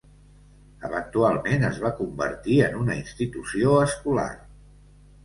Eventualment es va convertir en una institució escolar.